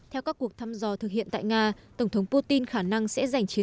theo các cuộc thăm dò thực hiện tại nga tổng thống putin khả năng sẽ giành chiến